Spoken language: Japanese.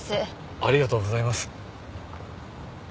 ありがとうございます。